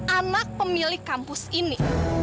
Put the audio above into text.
anak pemilik kampus ini